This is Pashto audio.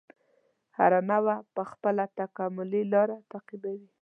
هره نوعه خپله تکاملي لاره تعقیبوي.